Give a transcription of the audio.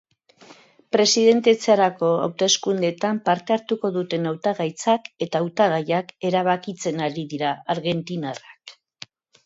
Presidentetzarako hauteskundeetan parte hartuko duten hautagaitzak eta hautagaiak erabakitzen ari dira argentinarrak.